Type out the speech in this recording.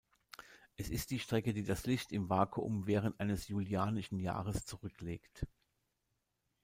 Es ist die Strecke, die das Licht im Vakuum während eines julianischen Jahres zurücklegt.